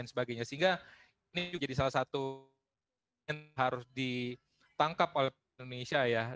sehingga ini jadi salah satu yang harus ditangkap oleh indonesia ya